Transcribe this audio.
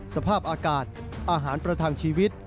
สภาพอากาศอาหารประทังชีวิต